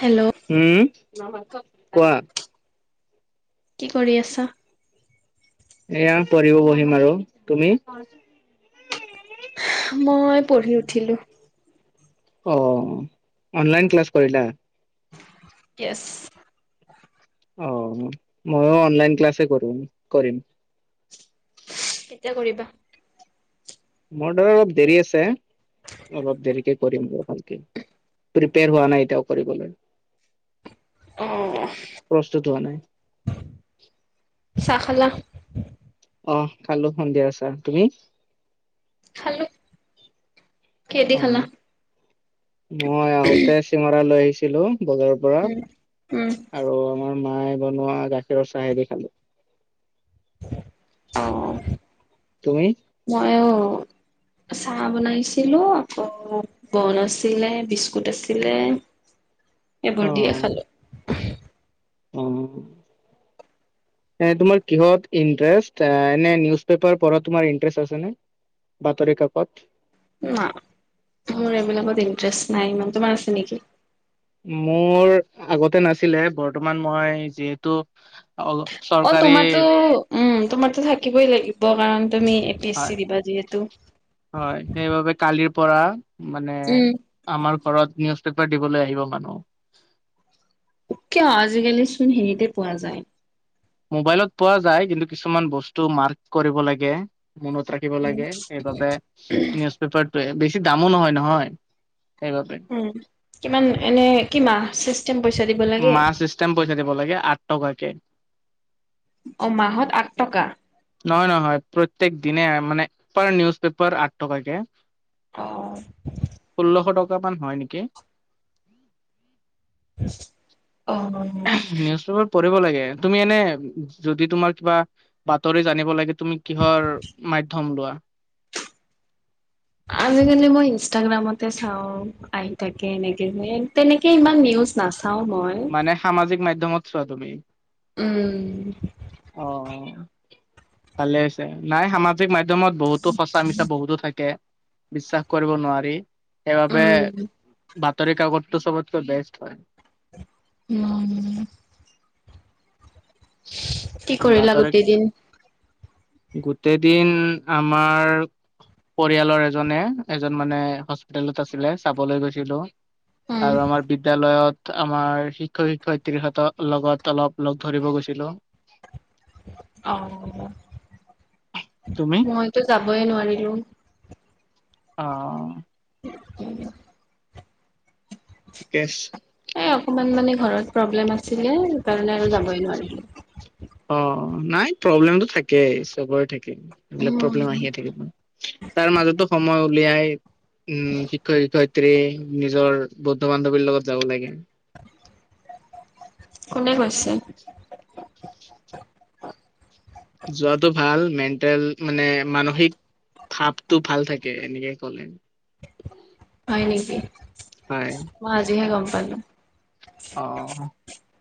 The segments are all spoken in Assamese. হেল্ল' উম [unintelligible] কোৱা? কি কৰি আছা? এইয়া, পঢ়িব বহিম আৰু। তুমি? মই পঢ়ি উঠিলো। অ। অনলাইন ক্লাছ কৰিলা? ইয়েছ। অ। ময়ো অনলাইন ক্লাছেই কৰো, কৰিম। কেতিয়া কৰিবা? মোৰ দ অলপ দেৰি আছে, অলপ দেৰিকে কৰিম। প্ৰিপেয়াৰ হোৱা নাই এতিয়াও কৰিবলৈ। অহ। প্ৰস্তুত [inaudible] চাহ খালা। অ, খালো সন্ধিয়া আছা তুমি? হেল্ল'। অ', মই আহোতে চিঙৰা লৈ আহিছিলো। বজাৰৰ পৰা উম, উম। আৰু আমাৰ মায়ে বনোৱা গাখীৰৰ চাহেদি খালো। অ'। তুমি আইয় চাহ বনাইছিলো আকৌ বন আছিলে, বিস্কুট আছিলে। এইবোৰ অ দিয়ে খালো। অ'। এনে তোমাৰ কিহত ইণ্টাৰেষ্ট এ নে নিউজ পেপাৰ পঢ়াত ইন্ত্ৰেষ্ট আছে নে? বাতৰি কাকত। না মোৰ এইবিলাকত ইণ্টাৰেষ্ট নাই ইমান তোমাৰ আছে নেকি? মোৰ আগতে নাছিলে, বৰ্তমান মই যিহেতু অ' অ' চৰকাৰী তোমাৰতো উম তোমাৰতো থাকিবই লাগিব কাৰণ। তুমি এ পি এছ হয় চি দিবা যিহেতু। হয় সেইবাবে কালিৰ পৰা মানে উম। আমাৰ ঘৰত নিয়স্থ প্ৰকাৰ দিবলৈ আহিব মানুহ। কিয় আজিকালি চোন হেৰিতে পোৱা যায়। মোবাইলত পোৱা যায়। কিন্তু, কিছুমান বস্ত মাৰ্ক কৰিব লাগে। মনত ৰাখিব লাগে এইবাবে নিউজ পেপাৰটো বেছি দামো নহয় নহয়। সেইবাবে উম, কিমান এনে কি মাহ চিছ মাহ চিষ্টেম পইচা দিব লাগে আঠ টকাকে অ' মাহত আঠ টকা। নহয় নহয় প্ৰত্যেক দিনে মানে পাৰ নিউজ পেপাৰ আঠ টকাকে। অহ' দুটা পান হয় নেকি? অহ' নিউজ পেপাৰ প্ৰতে তুমি এনে যদি তোমাৰ কিবা বাতৰি জানিব লাগে তুমি কিহৰ মাধ্যম লোৱা? আজিকালি মই ইনষ্টাগ্ৰামতে চাও আহি থাকে এনেকে যে তেনেকে ইমান নিউজ নাচ মানে সামাজিক মাধ্যমত চোৱা তুমি। অ উম। ভালে হৈছে নাই সামাজিক মাধ্যমত বহুতো সঁচা মিছা বহুতো থাকে। বিশ্বাস কৰিব নোৱাৰি সেইবাবে। উম। তাৰে কাগৰত তোৰ চবত কৈ বেষ্ট হয়। উ। কি কৰিলা বাতৰি গোটেই দিন? গোটেই দিন আমাৰ পৰিয়ালৰ এজনে এজন মানে হস্পিতেলত আছিলে চাবলৈ গৈছিলো। উম। আৰু আমাৰ বিদ্যালয়ত। আমাৰ শিক্ষয় শিক্ষয়িত্ৰীহতঁৰ লগত অলপ লগ ধৰিব গৈছিলো। অ' তুমি মইতো যাবই নোৱাৰিলোঁ। অ'। [unintelligible] ঠিকে আছে এই অকমান মানে ঘৰত প্ৰব্লেম আছিলে। সেই কাৰণে আৰু যাবই নোৱাৰিলোঁ। অ নাই প্ৰব্লেমটো থাকেই চবৰে থাকে। এবিলাক উম, প্ৰব্লেম আহিয়ে থাকিক তাৰ মাজতো সময় উলিয়াই! উম' শিক্ষক শিক্ষয়ত্ৰী নিজৰ বন্ধু বান্ধৱীৰ লগত যাব লাগে। কোনে কৈছে? যোৱাটো ভাল মেণ্টেল মানে মানসিক ভাপটো ভাল থাকে এনেকে কলে। হয় নিকি হয় মই আজিহে গম পালো। অ',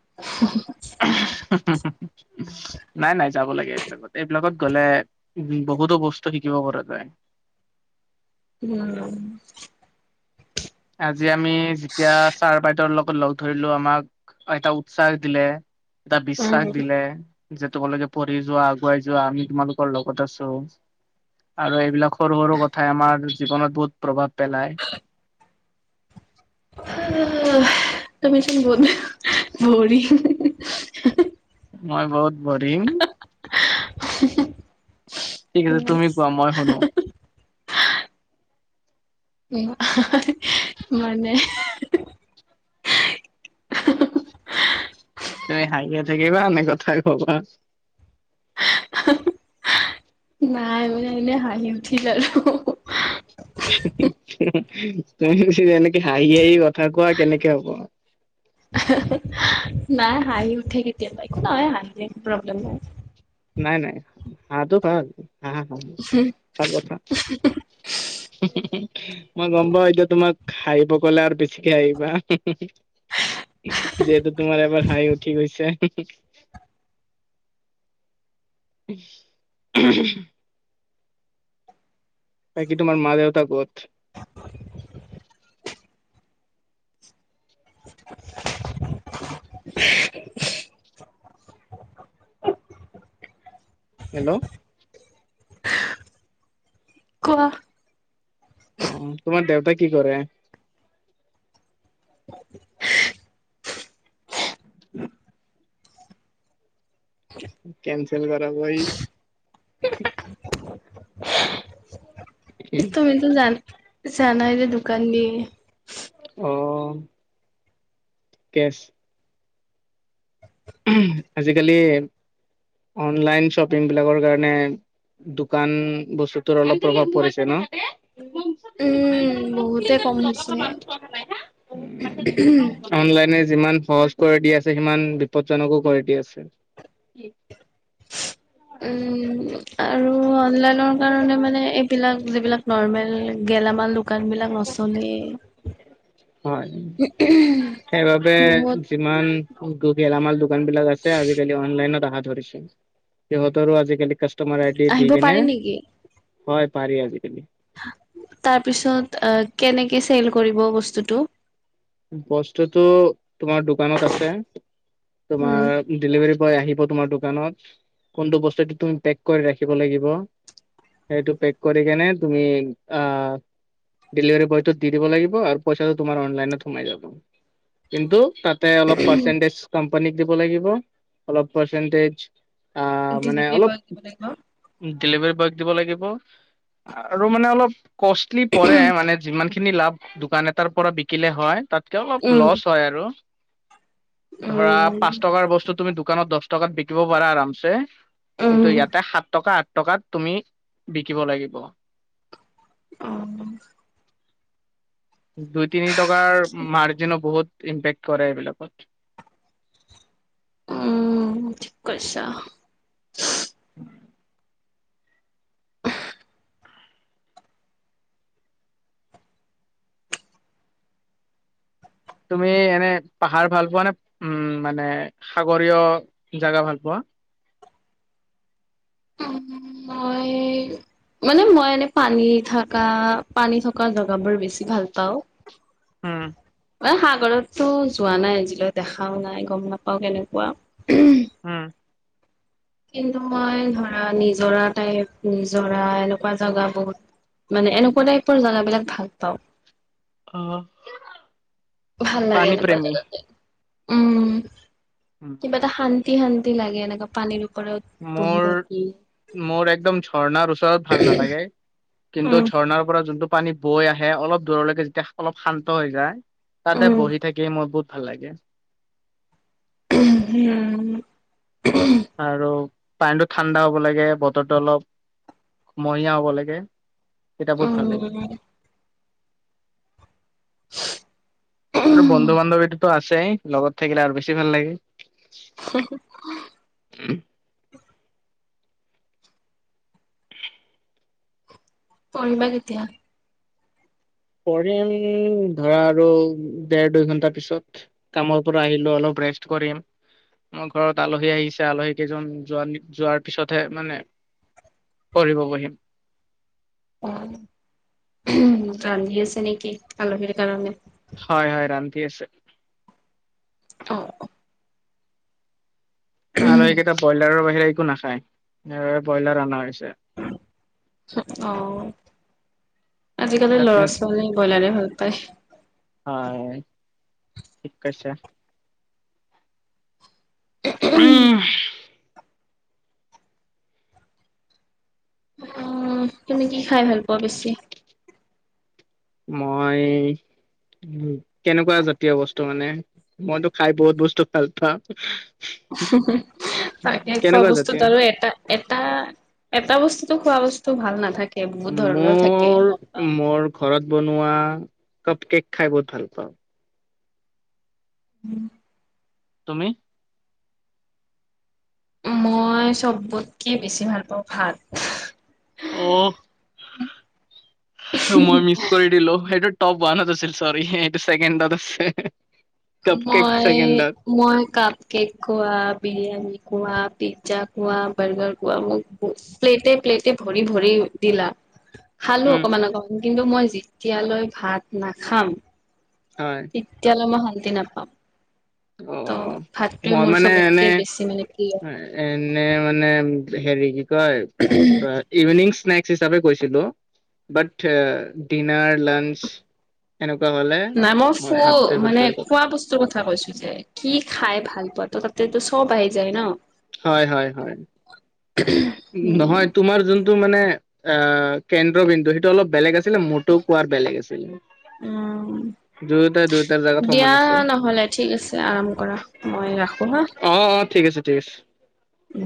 [unintelligible] [unintelligible] নাই নাই যাব লাগে এইবিলাকত এইবিলাকত গলে বহুতো বস্তু শিকিব পৰা যায়। উম'। আজি আমি যেতিয়া ছাৰ বাইদেৰ লগত লগ ধৰিলো আমাক এটা উৎসাহ দিলে, এটা উম। বিশ্বাস দিলে। যে তোমালোকে পঢ়ি যোৱা আগুৱাই যোৱা আমি তোমালোকৰ লগত আছো আৰু এইবিলাক সৰু সৰু কথাই আমাৰ জীৱনত বহুত প্ৰভাৱ পেলায়। তুমিচোন বহুত বৰিং। মই বহুত বৰিং [unintelligible] ঠিক আছে। তুমি কোৱা মই শুনো। উম মানে [unintelligible] তুমি হাহিয়ে থাকিবা, নে কথাই কবা? নাই মানে এনেই হাঁহি উঠিল আৰু! ! তুমি যেনেকে হাঁহি হাঁহি কথা কোৱা কেনেকে হব? [unintelligible] নাই হাঁহি উঠে কেতিয়াবা নহয় হাঁহিলে একো প্ৰব্লেম নাই। নাই, নাই, হাঁহটো ভাল। হা হ চথা [unintelligible] মই গম পাওঁ এতিয়া তোমাক হাহিব কলে আৰু বেছিকে হাহিবা। যিহেতু তোমাৰ এবাৰ হাঁহি উঠি গৈছে। [unintelligible] বাকি তোমাৰ মা দেউতা ক'ত? [unintelligible] হেল্ল'। কোৱা। অ, তোমাৰ দেউতা কি কৰে? কেন্চেল কৰা বৈ। তুমি তো জানাই যে দুকান দি। অ', কেছ। ইম আজিকালি অনলাইন শ্বপিং বিলাকৰ কাৰণে। দোকান বস্তুতোৰ অলপ প্ৰভাৱ পৰিছে ন? উম'। বহুতে কম হৈছে নে অনলাইনে যিমান সহজ কৰি দি আছে সিমান বিপদজনকো কৰি দি আছে। উম'। আৰু অনলাইনৰ কাৰণে মানে এইবিলাক যিবিলাক নৰ্মেল গেলামাল দো দুকান বিলাক নচলেই। হয় সেইবাবে বহুত যিমান গেলামাল দোকান বিলাক আছে, আজিকালি অনলাইনত আহা ধৰিছে। সিহঁতৰো আজিকালি কাষ্ট তোমাৰ আইডিয় দি আহিব কেনে। পাৰে নেকি? হয় পাৰি আজিকালি। তাৰপিছত কেনেকে চেল কৰিব বস্তুটো। বস্তুতটো তোমাৰ দোকানত আছে। তোমাৰ উম। ডেলিভাৰী বয় আহিব। তোমাৰ দোকানত। কোনটো বস্তুটো তুমি পেক কৰি ৰাখিব লাগিব। সেইটো পেক কৰি কেনে তুমি আহ। ডেলিভাৰী বয়তো দি দিব লাগিব। আৰু পইচাটো তোমাৰ অনলাইনত। সোমাই যাব। কিন্তু তাতে অলপ পৰসন্তনেচ। দোকানীক দিব লাগিব অলপ পৰসন্তেঞ্চ। অ মানে ডেলিভাৰী অলপ বয়ক দিব লাগিব। ডেলিভাৰী বয়ক দিব লাগিব। আৰু মানে অলপ কষ্টলি পৰে মানে যিমান খিনি লাভ দোকান এটাৰ পৰা বিকিলে হয়। তেতিয়া অলপ উম। লচ হয় আৰু। ধৰা পাঁচ উম। টকাৰ বস্তু তুমি দোকানত দহ টকাত বিকিব পাৰা আৰামছে। কিন্তু উম। ইয়াতে সাত টকা আঠ টকাত তুমি বিকিব লাগিব। অহ। দুই তিনি টকাৰ মাৰ্জিনো বহুত। ইম্পেক্ট কৰে এইবিলাকত। উম, ঠিক কৈছা। তুমি এনে পাহাৰ ভাল পোৱা নে? উম, মানে সাগৰীয় জাগা ভাল পোৱা? [unintelligible] মই মানে মই এনে পানী থকা পানী থকা জেগাবোৰ বেছি ভাল পাওঁ। হম। এ সাগৰততো যোৱা নাই আজিলৈ দেখাওঁ নাই গম নাপাও কেনেকুৱা। উম। কিন্তু মই ধৰা নিজৰা টাইপ নিজৰা এনেকুৱা জেগা বহুত। মানে এনেকুৱা টাইপৰ জাগাবিলাক ভাল পাওঁ। অহ। ভাল লাগে এনেকুৱা জাগাতে। উম, কিবা এটা শান্তি শান্তি। শান্তি লাগে এনেকা পানীৰ ওপৰত বহি মোৰ থাকি। মোৰ একদম ঝৰ্ণাৰ ওচৰত ভাল নালাগে। কিন্তু উম। ঝৰ্ণাৰ পৰা যোনটো। পানী বৈ আহে অলপ দূৰলৈকে যেতিয়া অলপ শান্ত হৈ যায়। তাতে উম, বহি থাকি মই বহুত। ভাল লাগে। উম, হম আৰু। পানীটো ঠাণ্ডা হ'ব লাগে, বতৰটো অলপ মহীয়া হ'ব লাগে। তেতিয়া বহুত ভাল লাগে উম। আৰু বন্ধু-বান্ধৱীটোতো আছেই, লগত থাকিলে আৰু বেছি ভাল লাগে। [unintelligible] পঢ়িবা কেতিয়া। পঢ়িম ধৰা আৰু দেৰ দুই ঘন্টাৰ পিছত। কামৰ পৰা আহিলো অলপ। ৰেষ্ট কৰিম। মোৰ ঘৰত আলহী আহিছে, আলহী কেইজন যোৱা-যোৱাৰ পিছতহে মানে, পঢ়িব বহিম। ভাত ৰান্ধি আছে নেকি। আলহীৰ কাৰণে। হয়, হয় ৰান্ধি আছে। অহ। আলহীকেইটা ব্ৰইলাৰৰ বাহিৰে একো নাখায়, ব্ৰইলাৰ অনা হৈছে। অহ। আজিকালি ৰাতি ল'ৰা ছোৱালীয়ে ব্ৰইলাৰে ভাল পায়। হয় ঠিক আছে। উম। অ তুমি কি খাই ভাল পোৱা বেছি মই উ কেনেকুৱা জাতীয় বস্তু মানে মইতো খাই বহুত বস্তু ভাল পাওঁ। তাকে খোৱা কেনেকুৱা বস্তুত জাতীয়? আৰু এটা এটা এটা বস্তুটো খোৱা বস্তু ভাল নাথাকে বহুত ধৰণৰ থাকে মোৰ গম পাওঁ। মোৰ ঘৰত বনোৱা কাপ কেক খাই বহুত ভাল পাওঁ উম তুমি মই চবতকে বেছি ভাল পাওঁ ভাত অ মই মিচ কৰি দিলো সেইটো টপ ওৱানত আছিল ছৰি চেকেণ্ড আছে কাপ কেক মই ছেকেণ্ডত মই কাপ কেক খোৱা বিৰিয়ানী কোৱা পিজ্জা কোৱা বাৰ্গাৰ কোৱা মোক প্লেটে প্লেটে ভৰি ভৰি দিলা খালো উম অকমান অকমান কিন্তু মই যেতিয়ালৈ ভাত নাখাম হয়। তেতিয়াহ'লে মই শান্তি নাপাম অ ত' ভাতটোৱে মই মোৰ মানে চবতকে এনেই বেছি মানে প্ৰিয়। এনে মানে হেৰি কি কয় ইভিনিং ছেনক হিচাপে কৈছিলো ব ডিনাৰ লাঞ্চ হলে নাই মই ফু ভাতটোৱে মানে প্ৰিফাৰ কৰো খোৱা বস্তুৰ কথা কৈছোঁ কি খাই ভাল পোৱা ত তহঁতে সব আহি যায় ন হয়, হয়, হয়। নহয় তোমাৰ যোনটো মানে অ কেন্দ্ৰবিন্দু সেইটো অলপ বেলেগ আছে কিন্তু মটো কোৱাৰ বেলেগ আছিলে। অ দুয়োটা দুয়োটাৰ জেগাত সমান দিয়া আছো নহ'লে ঠিক আছে আৰাম কৰা মই ৰাখো হা। আহ উম।